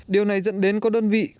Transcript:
điều này dẫn đến có đơn vị